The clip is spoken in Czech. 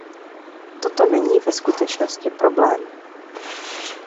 Toto není ve skutečnosti problém.